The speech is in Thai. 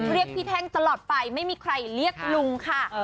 เรียกพี่แท่งตลอดไปไม่มีใครเรียกลุงค่ะ